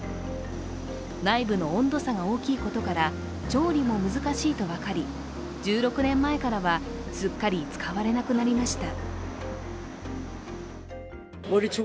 内部の温度差が大きいことから調理も難しいことが分かり１６年前からはすっかり使われなくなりました。